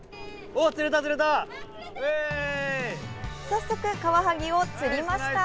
早速、カワハギを釣りました。